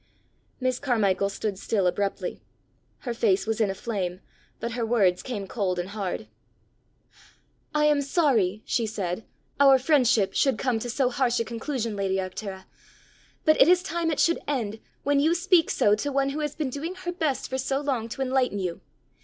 Miss Carmichael stood still abruptly. Her face was in a flame, but her words came cold and hard. "I am sorry," she said, "our friendship should come to so harsh a conclusion, lady Arctura; but it is time it should end when you speak so to one who has been doing her best for so long to enlighten you!